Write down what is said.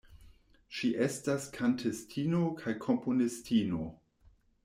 Ŝi estas kantistino kaj komponistino.